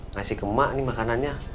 ngasih ke emak ini makanannya